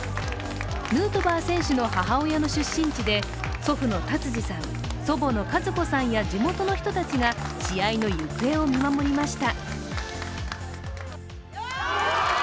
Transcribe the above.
ヌートバー選手の母親の出身地で、祖父の達治さん、祖母の和子さんや地元の人たちが試合の行方を見守りました。